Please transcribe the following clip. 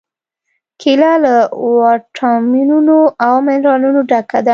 کېله له واټامینونو او منرالونو ډکه ده.